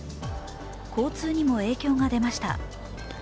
交通にも影響が出ました。